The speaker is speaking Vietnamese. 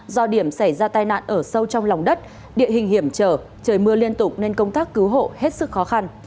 do điểm xảy ra tai nạn ở sâu trong lòng đất địa hình hiểm trở trời mưa liên tục nên công tác cứu hộ hết sức khó khăn